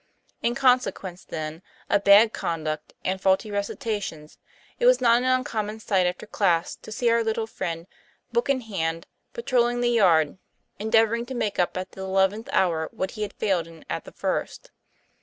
In consequence, then, of bad conduct and faulty TOM PLAYFA1R. 83 recitations, it was not an uncommon sight after class to see our little friend, book in hand, patrolling the yard, endeavoring to make up at the eleventh hour what he had failed in at the first.